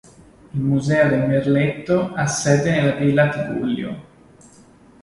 Il museo del merletto ha sede nella villa Tigullio.